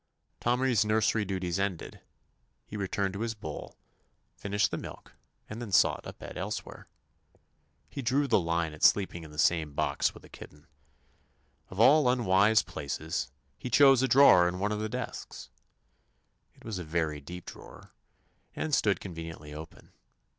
Tommy's nursery duties ended, he returned to his bowl, finished the milk, and then sought a bed elsewhere. He drew the line at sleeping in the same box with a kitten. Of all unwise places, he chose a drawer in one of the desks. It was a very deep drawer, and stood conveniently open.